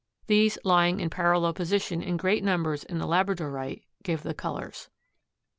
These lying in parallel position in great numbers in the labradorite give the colors.